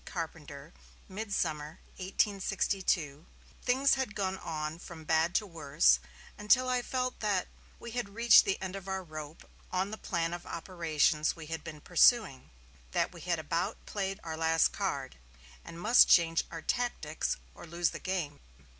Carpenter, "midsummer, 1862. Things had gone on from bad to worse, until I felt that we had reached the end of our rope on the plan of operations we had been pursuing; that we had about played our last card, and must change our tactics, or lose the game.